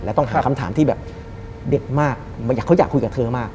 แล้วต้องหาคำถามที่แบบเด็ดมากเขาอยากคุยกับเธอมาก